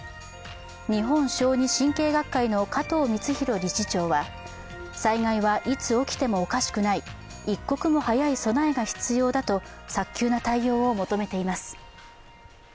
日本小児神経学会の加藤光広理事長は災害はいつ起きてもおかしくない、一刻も早い備えが必要だと早急な対応を求めています。